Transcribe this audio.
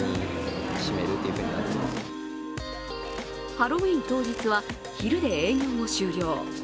ハロウィーン当日は昼で営業を終了。